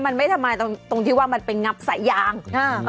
มันไม่ทำไมตรงที่ว่ามันไปงับสายยาง